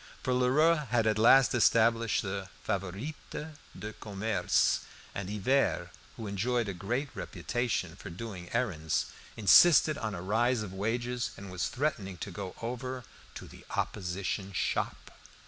For Lheureux had at last established the "Favorites du Commerce," and Hivert, who enjoyed a great reputation for doing errands, insisted on a rise of wages, and was threatening to go over "to the opposition shop."